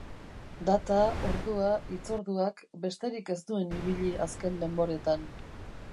Data, ordua, hitzorduak, besterik ez nuen ibili azken denboretan.